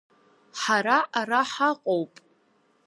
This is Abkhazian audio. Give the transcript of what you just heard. Ҳара ара ҳаҟоуп…